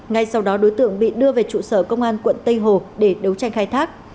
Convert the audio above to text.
ngay sau đó đối tượng bị đưa về trụ sở công an quận tây hồ để đấu tranh khai thác